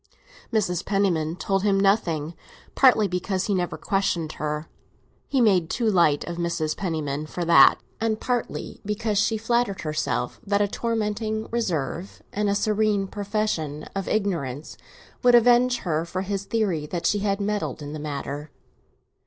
Mrs. Penniman told him nothing, partly because he never questioned her—he made too light of Mrs. Penniman for that—and partly because she flattered herself that a tormenting reserve, and a serene profession of ignorance, would avenge her for his theory that she had meddled in the matter.